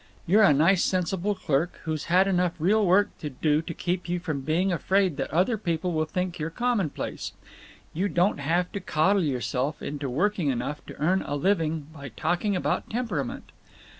You're a nice sensible clerk who've had enough real work to do to keep you from being afraid that other people will think you're commonplace. You don't have to coddle yourself into working enough to earn a living by talking about temperament.